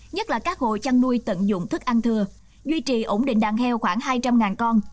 nhất là các hộ chăn nuôi tận dụng thức ăn thừa duy trì ổn định đàn heo khoảng hai trăm linh con